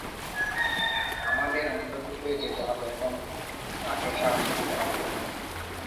আমাদের অন্ধ্কূপে যেতে হবে এবং তাকে সাহস দিতে হবে।